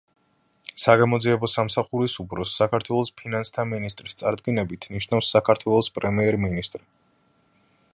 საგამოძიებო სამსახურის უფროსს, საქართველოს ფინანსთა მინისტრის წარდგინებით, ნიშნავს საქართველოს პრემიერ-მინისტრი.